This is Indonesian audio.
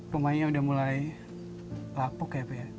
rumah ibu sudah mulai lapuk ya bu